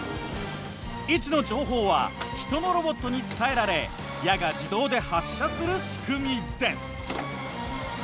位置の情報は人のロボットに伝えられ矢が自動で発射する仕組みです。